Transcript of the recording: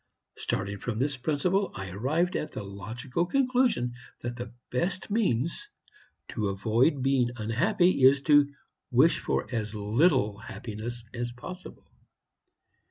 Starting from this principle, I arrived at the logical conclusion that the best means to avoid being unhappy is to wish for as little happiness as possible.